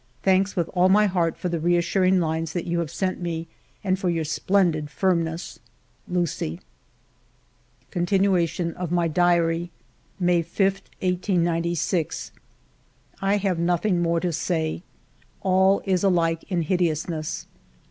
Thanks with all my heart for the reassuring lines that you have sent me and for your splendid firmness. Lucie." Continuation of my Diary May 5, 1896. I have nothing more to say. All is alike in hideousness